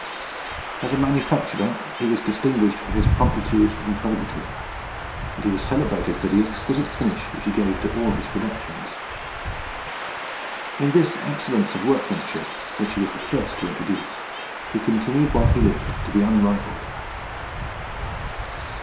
As a manufacturer he was distinguished for his promptitude and probity, and he was celebrated for the exquisite finish which he gave to all his productions. In this excellence of workmanship, which he was the first to introduce, he continued while he lived to be unrivalled.